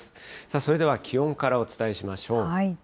それでは気温からお伝えしましょう。